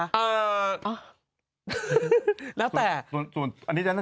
ส่วนสูญตัวหรือส่วนน้ำเลี้ยง